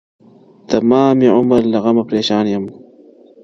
تمامي عـــــــــــمر لهٔ غمـــــــه پریشان يــم